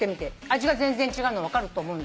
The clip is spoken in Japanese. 味が全然違うの分かると思う。